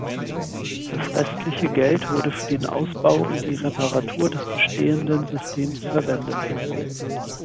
Das restliche Geld wurde für den Ausbau und die Reparatur des bestehenden Systems verwendet.